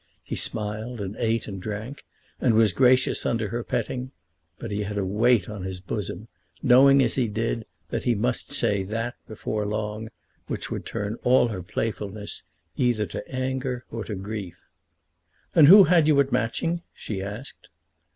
He smiled, and ate, and drank, and was gracious under her petting; but he had a weight on his bosom, knowing, as he did, that he must say that before long which would turn all her playfulness either to anger or to grief. "And who had you at Matching?" she asked.